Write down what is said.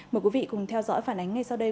mời quý vị cùng theo dõi phản ánh ngay sau đây